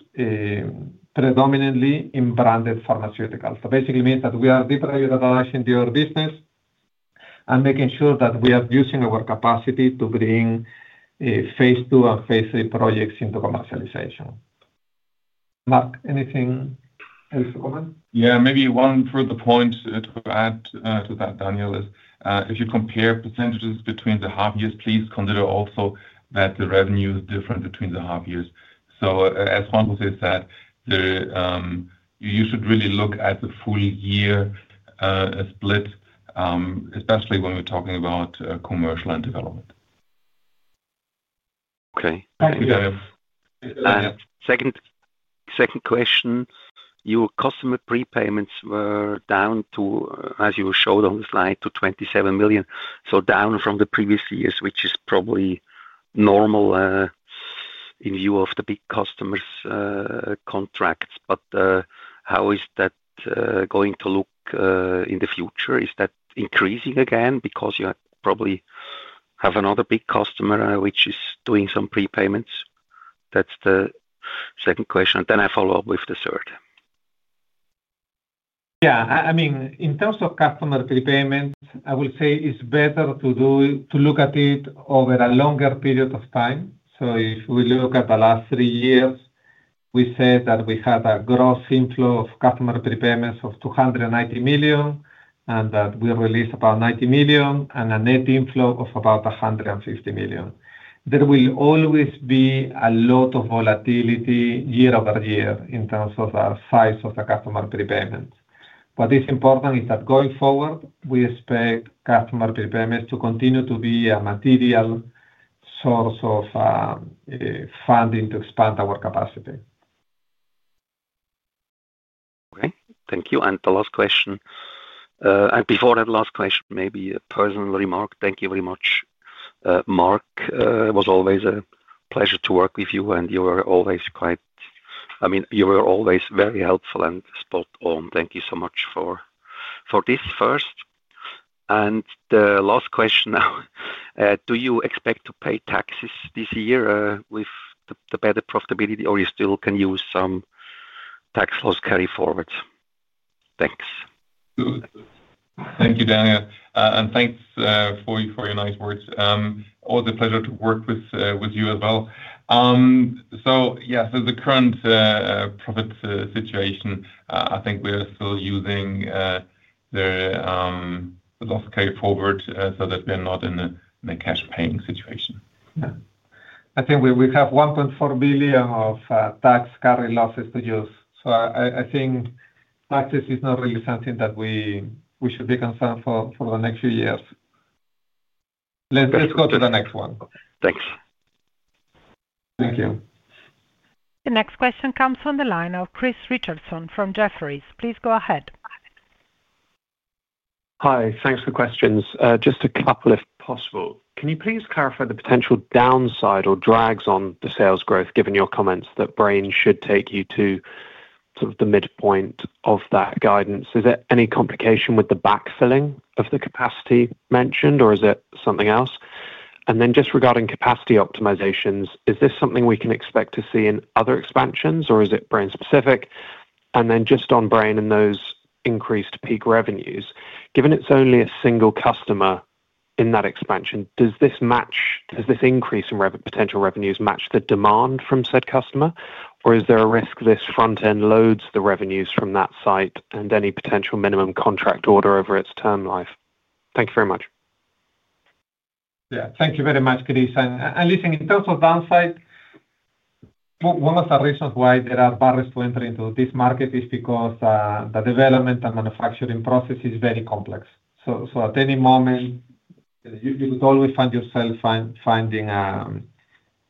predominantly in branded pharmaceutical. Basically means that we are deprioritizing the other business and making sure that we are using our capacity to bring phase II and phase III projects into commercialization. Marc, anything else to comment? Yeah, maybe one further point to add to that, Daniel, is if you compare percentages between the half years, please consider also that the revenue is different between the half years. As Juan José said, you should really look at the full year split, especially when we're talking about commercial and development. Okay. Thank you. Second question. Your customer prepayments were down to EUR 27 million, as you showed on the slide. Down from the previous years, which is probably normal in view of the big customers' contracts. How is that going to look in the future? Is that increasing again because you probably have another big customer which is doing some prepayments? That's the second question, then I follow up with the third. Yeah. I mean, in terms of customer prepayment, I will say it's better to look at it over a longer period of time. If we look at the last three years, we said that we had a gross inflow of customer prepayments of 290 million, and that we released about 90 million and a net inflow of about 150 million. There will always be a lot of volatility year-over-year in terms of the size of the customer prepayment. What is important is that going forward, we expect customer prepayment to continue to be a material source of funding to expand our capacity. Okay. Thank you. The last question, and before that last question, maybe a personal remark. Thank you very much, Marc. It was always a pleasure to work with you, and you were always quite. I mean, you were always very helpful and spot on. Thank you so much for this first. The last question now, do you expect to pay taxes this year with the better profitability, or you still can use some tax loss carry forwards? Thanks. Thank you, Daniel. Thanks for your nice words. Always a pleasure to work with you as well. The current profit situation, I think we're still using the loss carry forward, so that we're not in a cash paying situation. Yeah. I think we have 1.4 billion of tax carry losses to use. I think taxes is not really something that we should be concerned for the next few years. Let's go to the next one. Thanks. Thank you. The next question comes from the line of Chris Richardson from Jefferies. Please go ahead. Hi. Thanks for questions. Just a couple if possible. Can you please clarify the potential downside or drags on the sales growth, given your comments that Braine-l'Alleud should take you to sort of the midpoint of that guidance? Is there any complication with the backfilling of the capacity mentioned or is it something else? Just regarding capacity optimizations, is this something we can expect to see in other expansions or is it Braine-l'Alleud specific? Just on Braine-l'Alleud and those increased peak revenues, given it's only a single customer in that expansion, does this increase in potential revenues match the demand from said customer? Or is there a risk this front end loads the revenues from that site and any potential minimum contract order over its term life? Thank you very much. Yeah. Thank you very much, Chris. Listen, in terms of downside, one of the reasons why there are barriers to enter into this market is because the development and manufacturing process is very complex. At any moment, you could always find yourself finding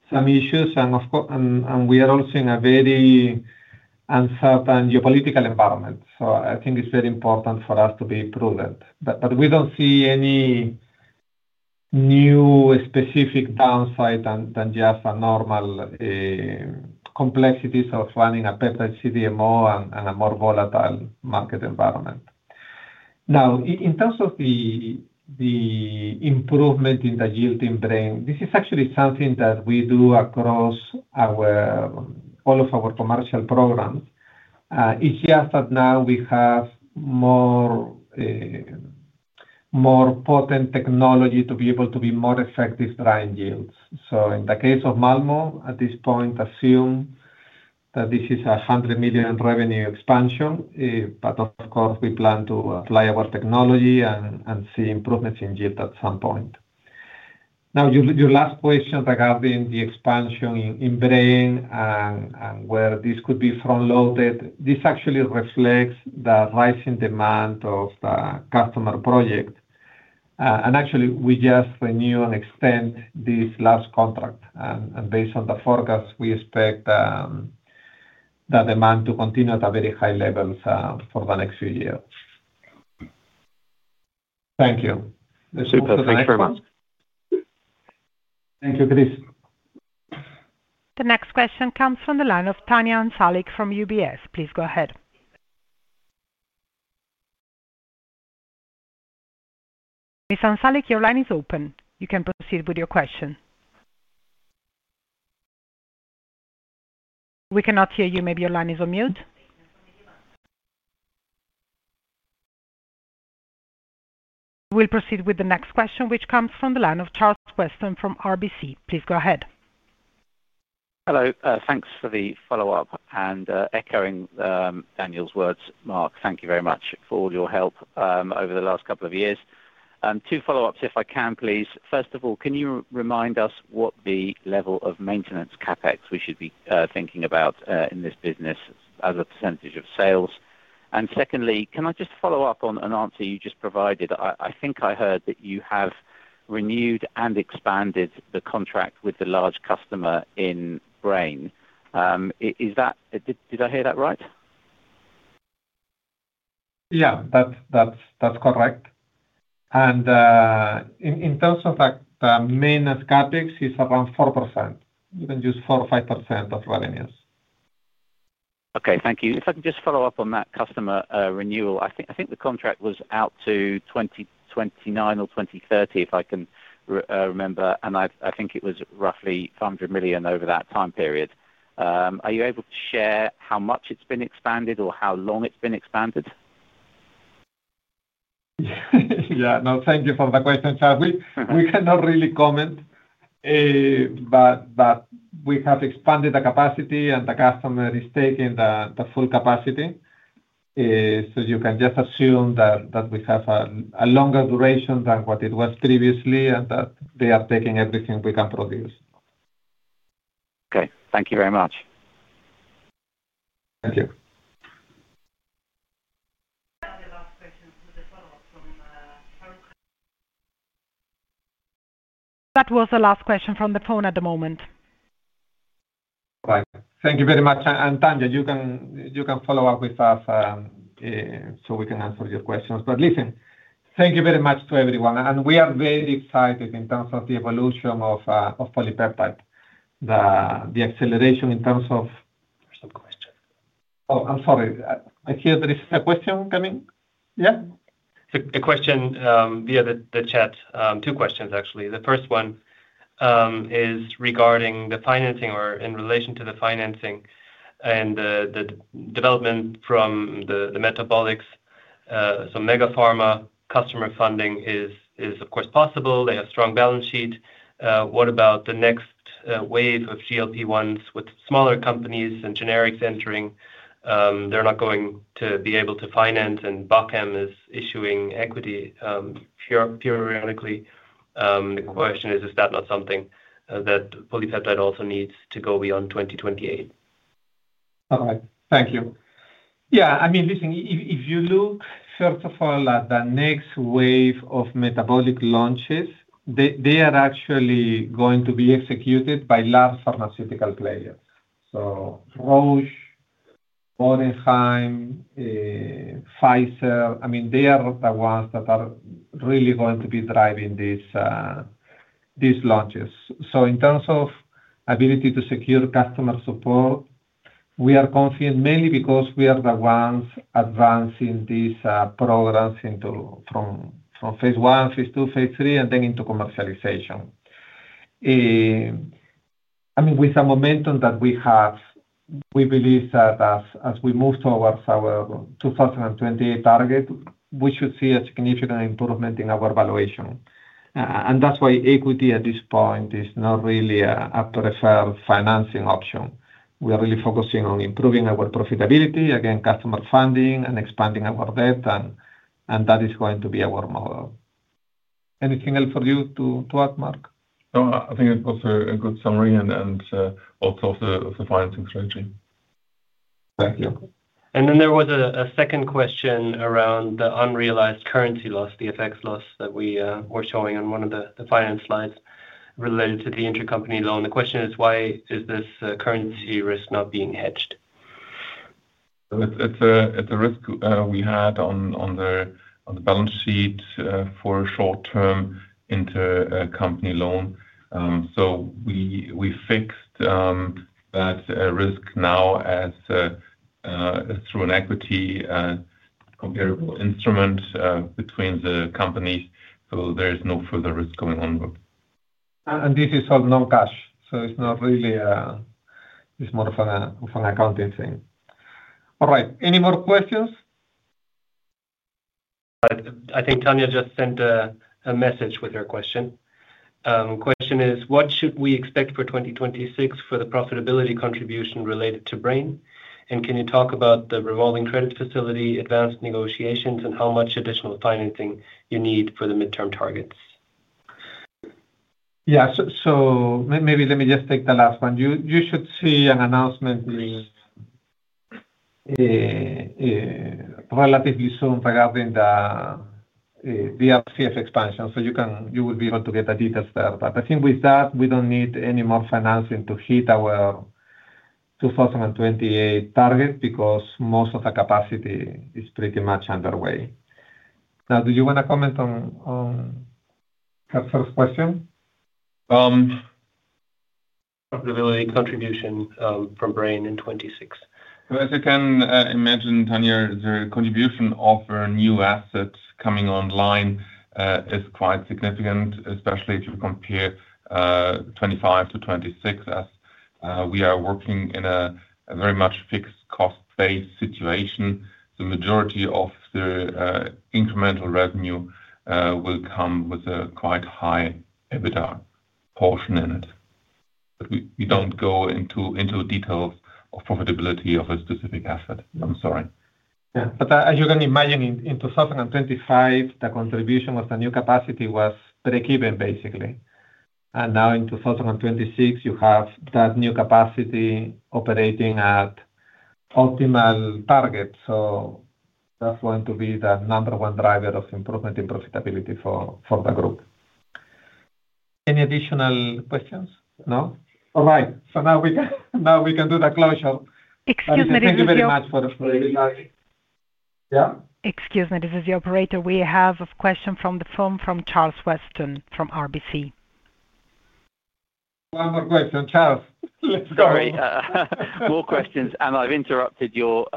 some issues and we are also in a very uncertain geopolitical environment. I think it's very important for us to be prudent. We don't see any new specific downside than just a normal complexities of running a peptide CDMO and a more volatile market environment. Now in terms of the improvement in the yield in Braine-l'Alleud, this is actually something that we do across all of our commercial programs. It's just that now we have more potent technology to be able to be more effective driving yields. In the case of Malmö, at this point, assume that this is 100 million revenue expansion. But of course, we plan to apply our technology and see improvements in yield at some point. Now your last question regarding the expansion in Braine-l'Alleud and where this could be front-loaded, this actually reflects the rising demand of the customer project. Actually we just renew and extend this last contract. Based on the forecast, we expect the demand to continue at a very high levels for the next few years. Thank you. Let's move to the next one. Super. Thanks very much. Thank you, Chris. The next question comes from the line of Tanya Hansalik from UBS. Please go ahead. Miss Hansalik, your line is open. You can proceed with your question. We cannot hear you. Maybe your line is on mute. We'll proceed with the next question, which comes from the line of Charles Weston from RBC. Please go ahead. Hello. Thanks for the follow-up. Echoing Daniel's words, Marc, thank you very much for all your help over the last couple of years. Two follow-ups, if I can, please. First of all, can you remind us what the level of maintenance CapEx we should be thinking about in this business as a percentage of sales? Secondly, can I just follow up on an answer you just provided? I think I heard that you have renewed and expanded the contract with the large customer in Braine-l'Alleud. Is that? Did I hear that right? Yeah, that's correct. In terms of like the maintenance CapEx, it's around 4%. You can use 4% or 5% of revenues. Okay. Thank you. If I can just follow up on that customer renewal. I think the contract was out to 2029 or 2030, if I can remember, and I think it was roughly 100 million over that time period. Are you able to share how much it's been expanded or how long it's been expanded? Yeah. No, thank you for the question, Charles. We cannot really comment, but we have expanded the capacity, and the customer is taking the full capacity. You can just assume that we have a longer duration than what it was previously and that they are taking everything we can produce. Okay. Thank you very much. Thank you. That was the last question from the phone at the moment. Right. Thank you very much. Tanya, you can follow up with us, so we can answer your questions. Listen, thank you very much to everyone. We are very excited in terms of the evolution of PolyPeptide, the acceleration in terms of- There's no question. Oh, I'm sorry. I hear there is a question coming. Yeah. A question via the chat. Two questions, actually. The first one is regarding the financing or in relation to the financing and the development from the metabolics. Mega pharma customer funding is of course possible. They have strong balance sheet. What about the next wave of GLP-1s with smaller companies and generics entering? They're not going to be able to finance, and Bachem is issuing equity periodically. The question is that not something that PolyPeptide also needs to go beyond 2028? All right. Thank you. Yeah. I mean, listen, if you look first of all at the next wave of metabolic launches, they are actually going to be executed by large pharmaceutical players. Roche, Boehringer, Pfizer, I mean, they are the ones that are really going to be driving these launches. In terms of ability to secure customer support, we are confident mainly because we are the ones advancing these programs from phase I, phase II, phase III, and then into commercialization. I mean, with the momentum that we have, we believe that as we move towards our 2028 target, we should see a significant improvement in our valuation. That's why equity at this point is not really a preferred financing option. We are really focusing on improving our profitability, again, customer funding and expanding our data, and that is going to be our model. Anything else for you to add, Marc? No, I think it was a good summary and also of the financing strategy. Thank you. There was a second question around the unrealized currency loss, the FX loss that we were showing on one of the finance slides related to the intercompany loan. The question is, why is this currency risk not being hedged? It's a risk we had on the balance sheet for short-term intercompany loan. We fixed that risk now through an equity comparable instrument between the companies, so there is no further risk going onward. This is all non-cash, so it's not really. It's more of an accounting thing. All right, any more questions? I think Tanya just sent a message with her question. Question is, what should we expect for 2026 for the profitability contribution related to Braine-l'Alleud? Can you talk about the revolving credit facility, advanced negotiations, and how much additional financing you need for the midterm targets? Maybe let me just take the last one. You should see an announcement relatively soon regarding the RCF expansion, so you will be able to get the details there. I think with that, we don't need any more financing to hit our 2028 target because most of the capacity is pretty much underway. Now, do you wanna comment on her first question? Profitability contribution from Braine-l'Alleud in 2026. As you can imagine, Tanya, the contribution of our new assets coming online is quite significant, especially if you compare 2025 to 2026 as we are working in a very much fixed cost-based situation. The majority of the incremental revenue will come with a quite high EBITDA portion in it. We don't go into details of profitability of a specific asset. I'm sorry. Yeah. As you can imagine, in 2025, the contribution of the new capacity was break-even, basically. Now in 2026, you have that new capacity operating at optimal target. That's going to be the number one driver of improvement in profitability for the group. Any additional questions? No. All right. Now we can do the closure. Excuse me. Thank you very much. Thank you very much. Yeah. Excuse me. This is the operator. We have a question from the phone from Charles Weston from RBC. One more question, Charles. Let's go. Sorry. More questions, and I've interrupted your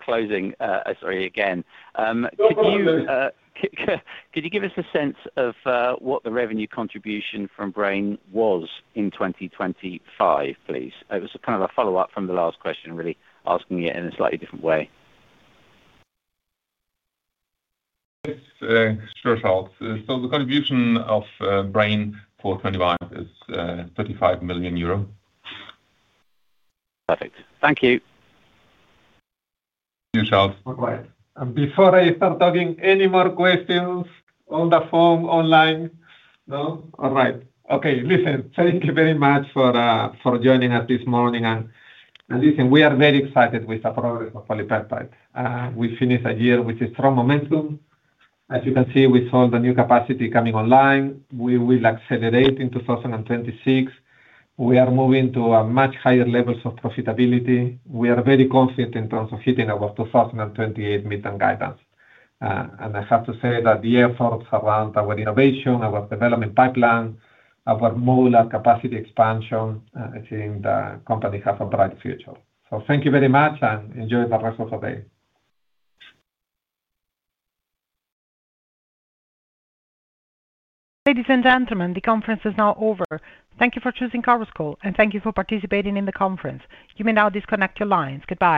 closing, sorry, again. Could you- No problem. Could you give us a sense of what the revenue contribution from Braine-l'Alleud was in 2025, please? It was kind of a follow-up from the last question, really asking it in a slightly different way. It's sure, Charles. The contribution of Braine-l'Alleud for 2025 is 35 million euro. Perfect. Thank you. Thank you, Charles. All right. Before I start taking any more questions on the phone, online. No? All right. Okay. Listen, thank you very much for joining us this morning. Listen, we are very excited with the progress of PolyPeptide. We finished a year with a strong momentum. As you can see, with all the new capacity coming online, we will accelerate in 2026. We are moving to a much higher levels of profitability. We are very confident in terms of hitting our 2028 midterm guidance. I have to say that the efforts around our innovation, our development pipeline, our modular capacity expansion, I think the company has a bright future. Thank you very much, and enjoy the rest of the day. Ladies and gentlemen, the conference is now over. Thank you for choosing Chorus Call, and thank you for participating in the conference. You may now disconnect your lines. Goodbye.